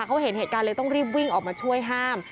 เขาเห็นเหตุการณ์เลยต้องรีบวิ่งออกมาช่วยห้าม